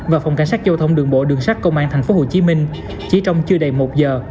và phòng cảnh sát giao thông đường bộ đường sát công an tp hcm chỉ trong chưa đầy một giờ